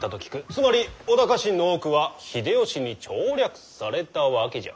つまり織田家臣の多くは秀吉に調略されたわけじゃ。